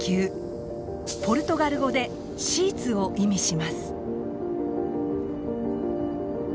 ポルトガル語でシーツを意味します。